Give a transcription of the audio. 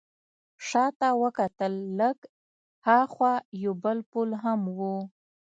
شا ته وکتل، لږ ها خوا یو بل پل هم و.